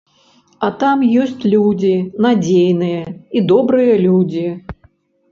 А там ёсць людзі надзейныя і добрыя людзі.